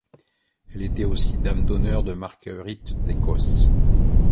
Elle était aussi dame d'honneur de Marguerite d'Écosse.